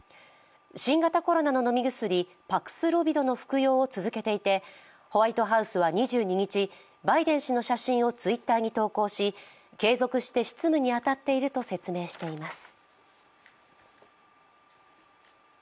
新型コロナの飲み薬パクスロビドの服用を続けていてホワイトハウスは２２日、バイデン氏の写真をＴｗｉｔｔｅｒに投稿し継続して執務に当たっていると説明しています。